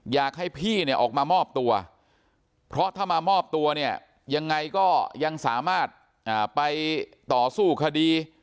อยากให้พี่เนี่ยออกมามอบตัวเพราะถ้ามามอบตัวเนี่ยยังไงก็ยังสามารถไปต่อสู้คดี